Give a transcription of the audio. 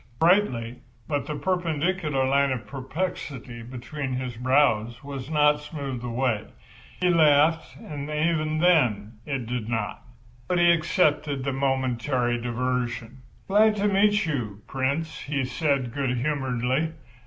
Brightly, but the perpendicular line of perplexity between his brows was not smoothed away. He laughed, and even then it did not. But he accepted the momentary diversion. "Glad to meet you, Prince," he said, good humouredly.